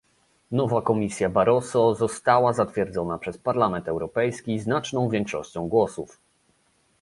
Nowa Komisja Barroso została zatwierdzona przez Parlament Europejski znaczną większością głosów